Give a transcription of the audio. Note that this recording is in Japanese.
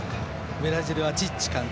ブラジルはチッチ監督